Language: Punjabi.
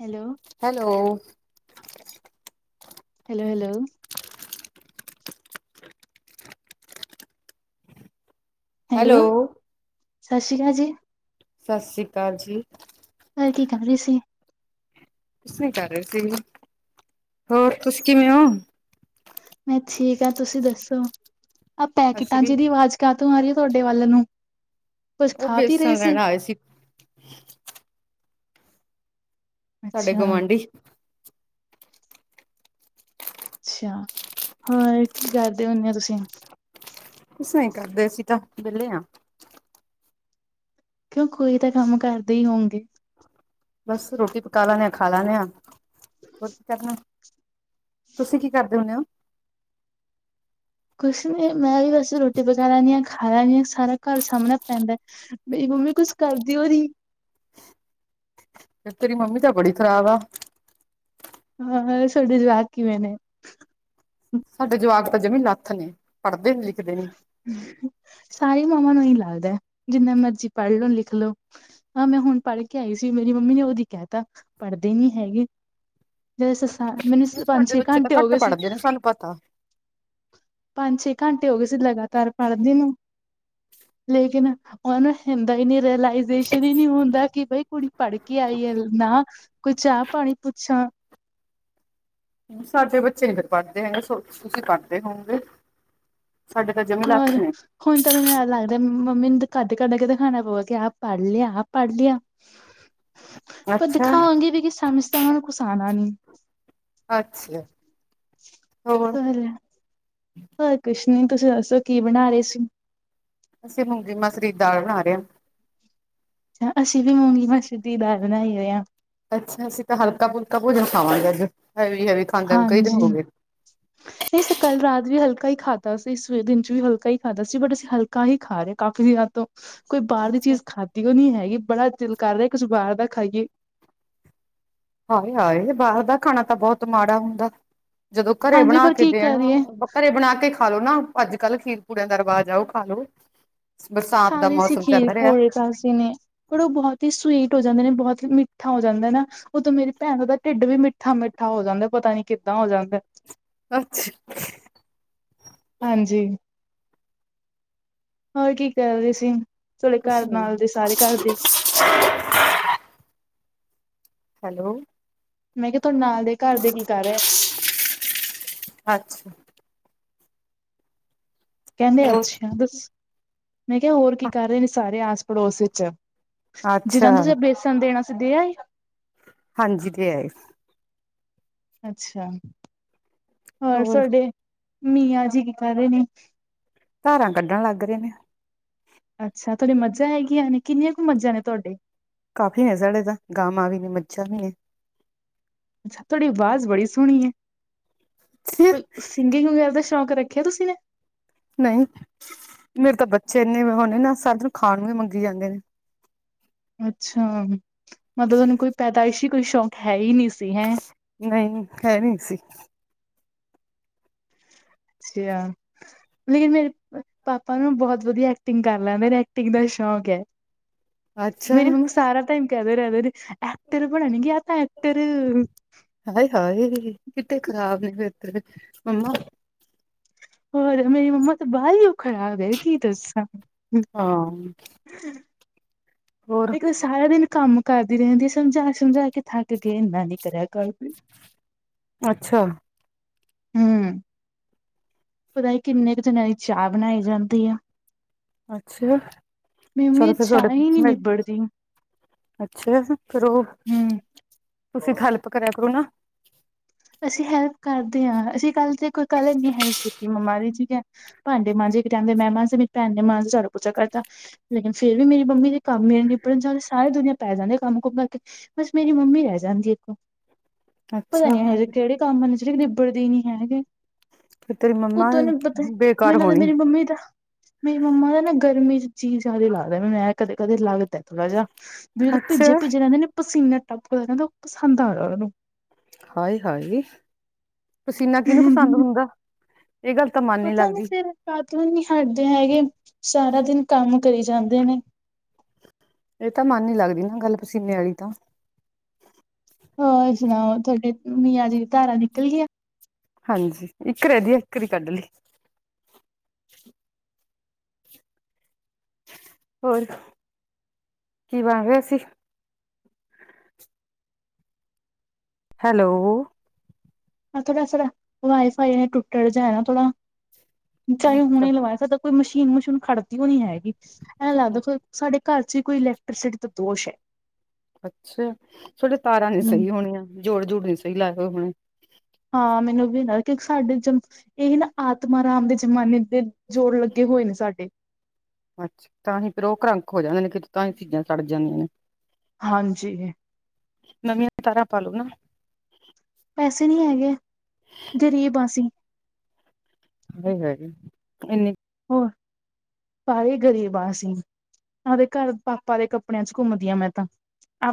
Hello. Hello. Hello hello. Hello ਸਤਿ ਸ਼੍ਰੀ ਅਕਾਲ ਜੀ। ਸਤਿ ਸ਼੍ਰੀ ਅਕਾਲ ਜੀ। ਤੜਕੇ ਖਾਲੀ ਸੀ। ਕੁਛ ਨੀ ਕਰ ਰਹੇ ਸੀ, ਹੋਰ ਤੁਸੀਂ ਕਿਵੇਂ ਹੋ? ਮੈਂ ਠੀਕ ਆ ਤੁਸੀਂ ਦੱਸੋ ਆਹ ਅਸੀਂ ਪੈਕਟਾਂ ਵੀ ਜਿਹਦੀ ਆਵਾਜ਼ ਕਾਤੋਂ ਆ ਰਹੀ ਆ ਤੁਹਾਡੇ ਵੱਲ ਨੂੰ, ਕੁਛ ਉਹ ਖਾ ਪੀ ਰਹੀ ਬੇਸਣ ਸੀ। ਲੈਣ ਆਏ ਸਾਡੇ ਅੱਛਾ, ਗੁਆਂਢੀ ਅੱਛਾ, ਹੋਰ ਕੀ ਕਰਦੇ ਹੁੰਦੇ ਹੋ ਤੁਸੀਂ? ਕੁਸਛ ਨੀ ਕਰਦੇ ਅਸੀਂ ਤਾਂ ਵਿਹਲੇ ਆ। ਕਿਉਂ ਕੋਈ ਤਾਂ ਕੰਮ ਕਰਦੇ ਈ ਹੋਊਗੇ? ਬਸ ਰੋਟੀ ਪਕਾ ਲੈਨੇ ਆ ਖਾ ਲੈਨੇ ਆ ਹੋਰ ਕੀ ਕਰਨਾ। ਤੁਸੀਂ ਕੀ ਕਰਦੇ ਹੁੰਨੇ ਓ। ਕੁੱਛ ਨੀ ਮੈਂ ਵੀ ਬਸ ਰੋਟੀ ਪਕਾ ਲੈਂਨੀ ਹਾਂ, ਖਾ ਹਾਯੇ ਨੀ ਸਾਰਾ ਘਰ ਸਾਮਣਾ ਪੈਂਦਾ, ਮੇਰੀ ਮੰਮੀ ਕੁੱਛ ਕਰਦੀ ਓ ਨੀ। ਫੇਰ ਤੇਰੀ ਮੰਮੀ ਤਾਂ ਬੜੀ ਖਰਾਬ ਆ। ਬਸ ਤੁਹਾਡੇ ਜਵਾਕ ਕਿਵੇਂ ਨੇ? ਸਾਡੇ ਜਵਾਕ ਤਾਂ ਜਵੀ ਲੱਥ ਨੇ, ਪੜ੍ਹਦੇ -ਲਿਖਦੇ ਨੀ। ਸਾਰੀ ਮਾਵਾਂ ਨੂੰ ਐਈ ਲੱਗਦਾ, ਜਿੰਨਾ ਮਰਜੀ ਪੜ੍ਹ ਲੋ ਲਿਖ ਲੋ। ਆ ਮੈਂ ਹੁਣ ਪੜ੍ਹ ਕੇ ਆਈ ਸੀ ਮੇਰੀ ਮੰਮੀ ਨੇ ਓਦੀ ਕੈਤਾ ਪੜ੍ਹਦੇ ਨੀ ਹੈਗੇ। ਜ ਸੱਸਾਂ ਮੈਨੂੰ ਸਾਡੇ ਪੰਜ-ਛੇ ਬੱਚੇ ਤਾਂ ਘੰਟੇ ਘੱਟ ਹੋਗੇ ਸੀ। ਪੜ੍ਹਦੇ ਨੇ ਸਾਨੂੰ ਪਤਾ। ਪੰਜ-ਛੇ ਘੰਟੇ ਹੋਗੇ ਸੀ ਲਗਾਤਾਰ ਪੜ੍ਹਦੀ ਨੂੰ ਲੇਕਿਨ ਓਨਾ ਨੂੰ ਹੁੰਦਾ ਈ ਨੀ ਰਿਲਾਈੇਜੇਸ਼ਨ ਈ ਨੀ ਹੁੰਦਾ ਕੀ ਬਈ ਕੁੜੀ ਪੜ੍ਹ ਕੇ ਆਈ ਐ ਨਾ। ਕੋਈ ਚਾਹ-ਪਾਣੀ ਪੁੱਛਾਂ। ਸਾਡੇ ਬੱਚੇ ਨੀ ਪੜ੍ਹਦੇ ਹੈਗੇ ਸੋ ਤੁਸੀਂ ਪੜ੍ਹਦੇ ਹੋਂਗੇ। ਸਾਡੇ ਤਾਂ ਜਮੀ ਹੋਰ ਲੱਥ ਨੇ। ਹੁਣ ਤਾਂ ਮੈਨੂੰ ਐ ਲੱਗਦਾ, ਮੰਮੀ ਨੂੰ ਕੱਢ-ਕੱਢ ਕੇ ਦਿਖਾਣਾ ਪਊਗਾ ਕਿ ਆ ਪੜ੍ਹ ਲਿਆ ਆ ਪੜ੍ਹ ਲਿਆ। ਪਰ ਅੱਛਾ, ਦਿਖਾਵਾਂਗੇ ਵੀ ਕੀ ਸਮਝ ਤਾਂ ਓਨਾ ਨੂੰ ਕੁੱਛ ਆਣਾ ਨੀ। ਅੱਛਾ। ਹੋਰ ਹੋਰ ਕੁਛ ਨੀ ਤੁਸੀਂ ਦੱਸੋ ਕੀ ਬਣਾ ਰੇ ਸੀ? ਅਸੀਂ ਮੂੰਗੀ-ਮਸਰੀ ਦਾਲ ਬਣਾ ਰਿਆ। ਅਸੀਂ ਵੀ ਮੂੰਗੀ-ਮੱਸਰੀ ਦੀ ਦਾਲ ਬਣਾਈ ਹੋਈ ਆ। ਅੱਛਾ, ਅਸੀਂ ਤਾਂ ਹਲਕਾ- ਫੁਲਕਾ ਭੋਜਨ ਖਾਵਾਂਗੇ ਅਜ ਹੈਵੀ-ਹੈਵੀ ਹਾਂਜੀ। ਨਈ, ਅਸੀਂ ਕੱਲ ਰਾਤ ਵੀ ਹਲਕਾ ਈ ਖਾਦਾ ਸੀ, ਇਸ ਦਿਨ ਚ ਵੀ ਹਲਕਾ ਈ ਖਾਦਾ ਸੀ ਬਟ ਅਸੀਂ ਹਲ ਕਾ ਹੀ ਖਾ ਰੇ ਕਾਫੀ ਦਿਨਾਂ ਤੋਂ। ਕੋਈ ਬਾਰ ਦੀ ਅੱਛਾ ਚੀਜ਼ ਖਾਧੀ ਓ ਨੀ ਹੈਗੀ ਬੜਾ ਦਿਲ ਕਰ ਰਿਆ ਕੁਸ਼ ਬਾਰ ਦਾ ਖਾਈਏ। ਹਾਏ-ਹਾਏ ਬਾਹਰ ਦਾ ਖਾਣਾ ਤਾਂ ਬਹੁਤ ਮਾੜਾ ਹੁੰਦਾ ਜਦੋਂ ਘਰੇ ਹਾਂਜੀ ਬਣਾ ਪਰ ਕੇ ਕੀ ਦੇਣ ਕਰੀਏ ਘਰੇ ਬਣਾ ਕੇ ਖਾ ਲੋ ਨਾ ਅੱਜ-ਕੱਲ੍ਹ ਖੀਰ-ਪੂੜਿਆਂ ਦਾ ਰਿਵਾਜ ਆ, ਉਹ ਖਾ ਲੋੋ। ਖਾ ਲਏ ਸੀ ਖੀਰ-ਪੂੜੇ ਅਸੀਂ ਨੇ। ਪਰ ਉਹ ਬਹੁਤ ਹੀ ਸਵੀਟ ਹੋ ਜਾਂਦੇ ਨੇ ਬਹੁਤ ਹੀ ਮਿੱਠਾ ਹੋ ਜਾਂਦਾ ਨਾ। ਉਦੋਂ ਮੇਰੀ ਭੈਣ ਦਾ ਢਿੱਡ ਵੀ ਮਿੱਠਾ-ਮਿੱਠਾ ਹੋ ਜਾਂਦਾ, ਪਤਾ ਨੀ ਕਿੱਦਾਂ ਹੋ ਜਾਂਦਾ? ਅੱਛਾ। ਹਾਂਜੀ, ਹੋਰ ਕੀ ਕਰ ਰਹੇ ਸੀ? ਤੁਹਾਡੇ ਘਰ ਨਾਲ ਦੇ ਸਾਰੇ ਘਰ ਦੇ। ਸ [unintelligible] ਹੈਲੋ। ਮੈਂ ਕਿਆ ਤੁਹਾਡੇ ਨਾਲ ਦੇ ਘਰ ਦੇ ਕੀ ਕਰ ਰਹੇ? [unintelligible] ਅੱਛਾ। ਕੈਹਂਦੇ ਹੋਰ ਅੱਛਾ, ਦੱਸ ਮੈਂ ਕਿਆ ਹੋਰ ਕੀ ਕਰ ਰੇ ਨੇ ਸਾਰੇ ਆਸ ਪੜੋਸ ਵਿੱਚ? ਅੱਛਾ ਜਿਨਾਂ ਨੂੰ ਤੁਸੀਂ ਅ ਬੇਸਨ ਦੇਣਾ ਸੀ ਦੇ ਆਏ? ਹਾਂਜੀ ਦੇ ਆਏ। ਅੱਛਾ, ਹੋਰ ਸਾਡੇ ਮੀਆਂ ਜੀ ਕਿੱਦਾਂ ਦੇ ਨੇ? ਧਾਰਾਂ ਕੱਢਣ ਲੱਗ ਰਹੇ ਨੇ। ਅੱਛਾ, ਤੁਹਾਡੇ ਮੱਝਾਂ ਹੈਗੀਆਂ ਨੇ ਕਿੰਨੀਆਂ ਕੁ ਮੱਝਾਂ ਨੇ ਤੁਹਾਡੇ? ਕਾਫੀ ਨੇ ਸਾਡੇ ਤਾਂ, ਗਾਵਾਂ ਵੀ ਨੇ ਮੱਝਾਂ ਵੀ ਨੇ। ਤੁਹਾਡੀ ਆਵਾਜ਼ ਬੜੀ ਸੋਹਣੀ ਹੈ, ਕੋਈ ਸਿੰਗਿੰਗ ਵਗੈਰਾ ਦਾ ਸ਼ੌਂਕ ਰੱਖਿਆ ਤੁਸੀਂ ਨੇ! ਨਹੀਂ ਮੇਰੇ ਤਾਂ ਬੱਚੇ ਇੰਨੇ ਹੋਣੇ ਨਾ ਸਾਰੇ ਖਾਣ ਨੂੰ ਵੀ ਮੰਗੀ ਜਾਂਦੇ ਨੇ। ਅੱਛਾ, ਮਤਲਬ ਤੁਹਾਨੂੰ ਕੋਈ ਪੈਦਾਇਸ਼ੀ ਕੋਈ ਸ਼ੌਕ ਹੈ ਹੀ ਨਹੀਂ ਸੀ ਹੈਂ ਨਹੀਂ, ਹੈ ਨਹੀਂ ਸੀ। ਅੱਛਾ, ਲੇਕਿਨ ਮੇਰੇ ਪਾਪਾ ਨੂੰ ਬਹੁਤ ਵਧੀਆ ਐਕਟਿੰਗ ਕਰ ਲੈਂਦੇ ਨੇ ਐਕਟਿੰਗ ਦਾ ਸ਼ੌਕ ਹੈ। ਅੱਛਾ ਮੇਰੀ ਮੰਮਾਂ ਸਾਰਾ ਟਾਈਮ ਕਹਿੰਦੇ ਰਹਿੰਦੇ ਨੇ ਐਕਟਰ ਬਣਨਗੇ ਆਪਾਂ ਐਕਟਰ। ਹਾਏ-ਹਾਏ ਕਿਤੇ ਖ਼ਰਾਬ ਨ ਫਿਰ ਮੰਮਾ ਹੋਰ ਮੇਰੀ ਮੰਮਾ ਤਾਂ ਬਾਹਲੀ ਹੀ ਉਹ ਖਰਾਬ ਹੈ ਕੀ ਦਸਾਂ ਹਾਂ। ਅੱਛ [inaudible] ਹੋਰ ਸਾਰਾ ਦਿਨ ਕੰਮ ਕਰਦੀ ਰਹਿੰਦੀ ਸਮਝਾ ਸਮਝਾ ਕੇ ਥੱਕ ਗਏ ਇੰਨਾ ਨੀ ਕਰਿਆ ਕਰ। [inaudible] ਅੱਛਾ। ਹੂੰ ਪਤਾ ਹੀ ਕਿੰਨੇ ਕੁ ਜਾਣਿਆ ਦੀ ਚਾਹ ਬਣਾਈ ਜਾਂਦੀ ਆ। ਅੱਛਾ ਮੰਮੀ ਚਲੋ ਫਿਰ ਚਾਹ ਹੀ ਨਹੀਂ ਤੁਹਾਡੇ ਨਿਬੜਦੀ ਅੱਛਾ, ਫੇਰ ਉਹ, ਹੂੰ। ਤੁਸੀਂ ਹੈਲਪ ਕਰਿਆ ਕਰੋ ਨਾ। ਅਸੀਂ ਹੈਲਪ ਕਰਦੇ ਹਾਂ, ਅਸੀਂ ਕੱਲ ਤੇ ਕੋਈ ਕੱਲ ਨੀ ਹੈਲਪ ਕੀਤੀ ਮੰਮਾ ਦੀ ਭਾਂਡੇ ਮਾਂਜੇ ਇੱਕ ਟਾਈਮ ਦੇ ਮੈਂ ਮਾਂਜੇ ਮੇਰੀ ਭੈਣ ਨੇ ਮਾਂਜ ਝਾੜੂ ਪੋਚਾ ਕਰ ਤਾ। ਲੇਕਿਨ ਫੇਰ ਵੀ ਮੇਰੀ ਮੰਮੀ ਦੇ ਕੰਮ ਨਹੀਂ ਨਿਬੜਣ ਚ ਆਉਂਦੇ, ਸਾਰੇ ਦੁਨੀਆਂ ਪੈ ਜਾਂਦੀ ਹੈ ਕੰਮ ਕੁਮ ਕਰਕੇ। ਬਸ ਮੇਰੀ ਮੰਮੀ ਰਹਿ ਜਾਂਦੀ ਇੱਕੋ ਪਤਾ ਨੀ ਅੱਛਾ ਇਹੋ ਜਿਹੇ ਕਿਹੜੇ ਕੰਮ ਹਨ ਜਿਹੜੇ ਨਿਬੜਦੇ ਨਹੀਂ ਹੈਗੇ। ਫਿਰ ਤੇਰੀ ਮੰਮਾ ਉਤੋ ਨੂੰ ਪਤਾ, ਬੇਕਾਰ ਮੈਨੂੰ ਲਗਦਾ ਹੋਣੀ ਮੇਰੀ ਮੰਮੀ ਦਾ ਮੇਰੀ ਮੰਮਾ ਦਾ ਨਾ ਗਰਮੀ 'ਚ ਜੀ ਜਿਹਾ ਨੀ ਲੱਗਦਾ ਮੈਂ ਕਦੇ- ਕਦੇ ਲੱਗਦਾ ਥੋੜਾ ਜਿਹਾ ਵੀ ਜਦੋਂ ਅੱਛਾ ਭਿੱਜੇ- ਭਿੱਜੇ ਰਹਿੰਦੇ ਨੇ ਪਸੀਨਾ ਟੱਪਦਾ ਰਹਿੰਦਾ ਉਹ ਪਸੰਦ ਆ ਰਿਹਾ ਉਹਨਾ ਨੂੰ ਹਾਏ- ਹਾਏ ਪਸੀਨਾ ਕਿਹਨੂੰ ਪਸੰਦ ਹੁੰਦਾ, ਇਹ ਗੱਲ ਤਾਂ ਮ ਪਤਾ ਨੀ ਫੇਰ ਕਾਹਤੋਂ ਨੀ ਹਟਦੇ ਹੈਗੇ, ਸਾਰਾ ਦਿਨ ਕੰਮ ਕਰੀ ਜਾਂਦੇ ਨੇ। ਇਹ ਤਾਂ ਮਨ ਨ ਲੱਗਦੀ ਨਾ ਗੱਲ ਪਸੀਨੇ ਵਾਲੀ ਤਾਂ ਹੋਰ ਸੁਣਾਓ ਤੁਹਾਡੇ ਮੀਆਂ ਜੀ ਦੀ ਧਾਰਾ ਨਿਕਲ ਗਈਆ ਹਾਂਜੀ, ਇੱਕ ਰਹਿੰਦੀ ਆ, ਇੱਕ ਦੀ ਕੱਢ ਲਈ ਹੋਰ, ਕੀ ਬਣ ਰਿਹਾ ਸੀ ਹੈਲੋ ਆ ਥੋੜਾ ਸਰ ਵਾਈਫਾਈ ਟੁੱਟਰ ਜਾ ਨਾ ਥੋੜਾ, ਚਾਹੇ ਅੱਛਾ ਹੁਣੇ ਲਵਾ ਸਕਦਾ ਕੋਈ ਮਸ਼ੀਨ ਮਸ਼ੂਨ ਖੜਦੀ ਉਹ ਨੀ ਹੈਗੀ, ਐਂ ਲੱਗਦਾ ਕੋ ਸਾਡੇ ਘਰ ਚ ਹੀ ਕੋਈ ਇਲੈਕਟ੍ਰੀਸਿਟੀ ਦਾ ਦੋਸ਼ ਹੈ ਅੱਛਾ, ਤੁਹਾਡੇ ਤਾਰਾਂ ਨੀ ਹੂੰ ਸਹੀ ਹੋਣੀਆਂ, ਜੋੜ- ਜੋੜ ਨੀ ਸਹੀ ਲਾਏ ਹੋਏ ਹੋਣੇ ਹਾਂ ਮੈਨੂੰ ਵੀ ਲਗਦਾ ਕਿਉਂਕਿ ਸਾਡੇ ਜਮ ਸੀ ਇਹੀ ਨਾ ਆਤਮਾ ਰਾਮ ਦੇ ਜ਼ਮਾਨੇ ਦੇ ਜੋੜ ਲੱਗੇ ਹੋਏ ਨੇ ਸਾਡੇ ਅੱਛਾ, ਤਾਂ ਹੀ ਫੇਰ ਉਹ ਕਰ੍ਰੰਕ ਹੋ ਜਾਂਦੇ ਨੇ ਕਿ ਤਾਂ ਹੀ ਚੀਜ਼ਾਂ ਸੜ ਜਾਂਦੀਆਂ ਨੇ। ਹਾਂਜੀ। ਨਵੀਆਂ ਤਾਰਾ ਪਾਲੋ ਨਾ। ਪੈਸੇ ਨਹੀਂ ਹੈਗੇ, ਗਰੀਬ ਅਸੀਂ। ਹ ਹ ਇਨੀ। ਹੋਰ ਭਾਵੇਂ ਗ਼ਰੀਬ ਆ ਅਸੀ, ਉਹਦੇ ਘਰ ਪਾਪਾ ਦੇ ਕੱਪੜਿਆਂ ਚ ਘੁੰਮਦੀ ਆ ਮੈਂ ਤਾਂ